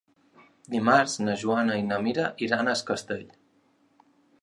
Dimarts na Joana i na Mira iran a Es Castell.